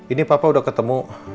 ini papa udah ketemu